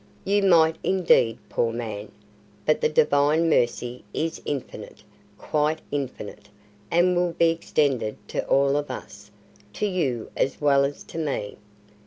"You might, indeed, poor man; but the Divine Mercy is infinite quite infinite, and will be extended to all of us to you as well as to me."